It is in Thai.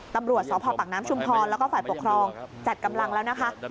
ตำรวจสพปากน้ำชุมพรแล้วก็ฝ่ายปกครองจัดกำลังแล้วนะคะ